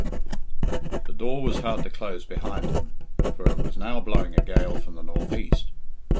The door was hard to close behind him, for it was now blowing a gale from the north east.